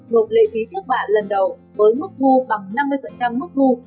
ngộp lệ phí trước bả lần đầu với mức thu bằng năm mươi mức thu